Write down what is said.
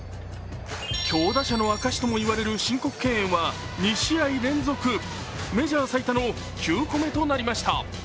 強打者の証しともいわれる申告敬遠は２試合連続メジャー最多の９個目となりました